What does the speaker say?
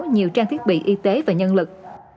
nhiều trang thiết bị y tế và nhân lực